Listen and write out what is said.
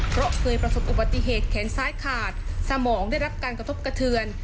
เพราะเคยประสบอุบัติเหตุแขนซ้ายขาดสมองได้รับการกระทบกระเทือน